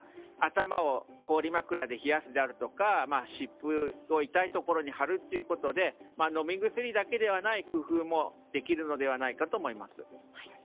また、頭が痛いとか節々が痛むという時には例えば、頭を氷枕で冷やすであるとか湿布を痛いところに貼るということで飲み薬だけではない工夫もできるのではないかと思います。